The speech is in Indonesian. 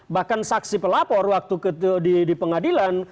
bahkan saksi pelapor waktu di pengadilan